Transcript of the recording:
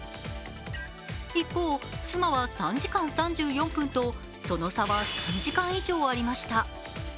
一方、妻は３時間３４分とその差は３時間以上ありました。